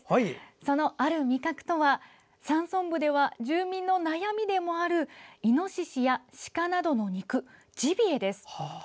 その、ある味覚とは山村部では、住民の悩みでもあるイノシシやシカなどの肉ジビエです。